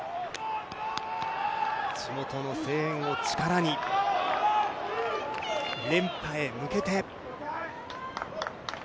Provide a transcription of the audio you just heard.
地元の声援を力に連覇へ向けて。